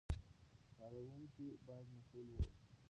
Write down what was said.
کاروونکي باید مسوول واوسي.